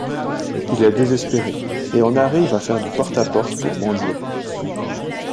Il est désespéré et en arrive à faire du porte à porte pour mendier.